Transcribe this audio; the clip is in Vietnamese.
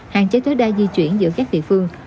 hạn chế tối đa di chuyển giữa các địa phương